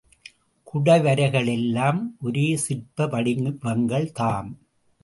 குடை வரைகள் எல்லாம் ஒரே சிற்ப வடிவங்கள் தாம்.